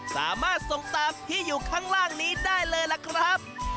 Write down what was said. สามารถส่งตามที่อยู่ข้างล่างนี้ได้เลยล่ะครับ